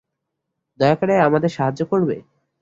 দয়া করে আমাদের সাহায্য করবে?